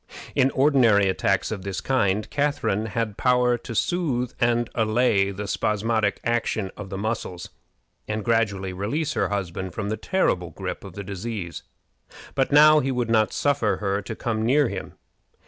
In ordinary attacks of this kind Catharine had power to soothe and allay the spasmodic action of the muscles, and gradually release her husband from the terrible gripe of the disease, but now he would not suffer her to come near him.